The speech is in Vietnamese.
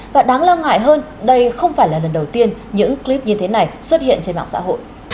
và đáng lo ngại hơn đây không phải là lần đầu tiên những clip như thế này xuất hiện trên mạng xã hội